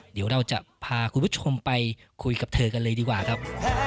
เดี๋ยวเราจะพาคุณผู้ชมไปคุยกับเธอกันเลยดีกว่าครับ